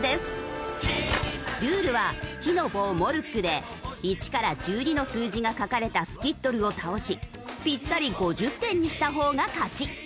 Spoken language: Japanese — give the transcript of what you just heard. ルールは木の棒モルックで１から１２の数字が書かれたスキットルを倒しぴったり５０点にした方が勝ち。